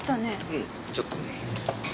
うんちょっとね。